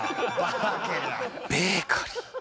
「ベーカリー」